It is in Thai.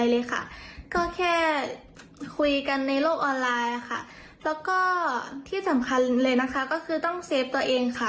แล้วก็ที่สำคัญเลยนะคะก็คือต้องเซฟตัวเองค่ะ